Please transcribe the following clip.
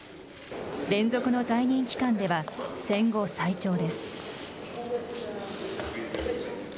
連続の在任期間では、戦後最長です。